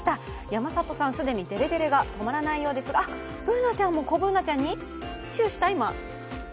山里さん、既にデレデレが止まらないようですが、あっ、Ｂｏｏｎａちゃんも子Ｂｏｏｎａちゃんにチューした、今。